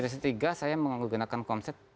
generasi tiga saya menggunakan konsep